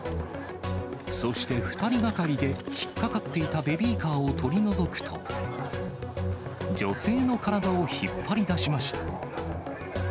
そして２人がかりで引っ掛かっていたベビーカーを取り除くと、女性の体を引っ張り出しました。